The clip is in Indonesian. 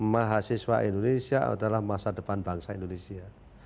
mahasiswa indonesia adalah masa depan bangsa indonesia